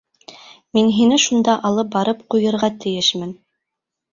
Мин һине шунда алып барып ҡуйырға тейешмен.